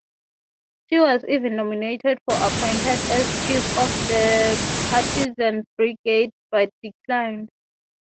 She was even nominated for appointment as chief of a partisan brigade, but declined.